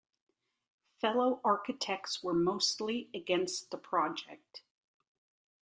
Fellow architects were mostly against the project.